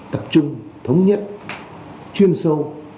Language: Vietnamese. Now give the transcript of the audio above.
tập trung thống nhất chuyên sâu